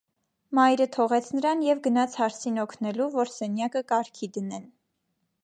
Մայրը թողեց նրան և գնաց հարսին օգնելու, որ սենյակը կարգի դնեն: